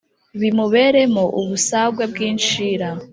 Bimuberemo ubusagwe bw incira